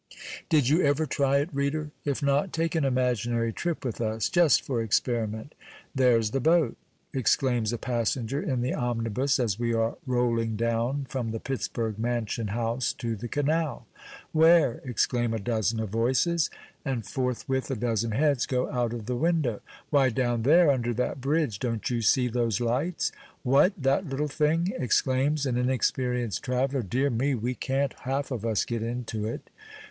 Did you ever try it, reader? If not, take an imaginary trip with us, just for experiment. "There's the boat!" exclaims a passenger in the omnibus, as we are rolling down from the Pittsburg Mansion House to the canal. "Where?" exclaim a dozen of voices, and forthwith a dozen heads go out of the window. "Why, down there, under that bridge; don't you see those lights?" "What! that little thing?" exclaims an inexperienced traveller; "dear me! we can't half of us get into it!"